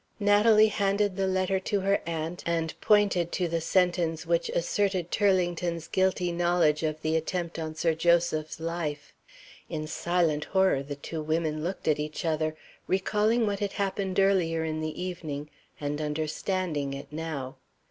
Natalie handed the letter to her aunt, and pointed to the sentence which asserted Turlington's guilty knowledge of the attempt on Sir Joseph's life. In silent horror the two women looked at each other, recalling what had happened earlier in the evening, and understanding it now.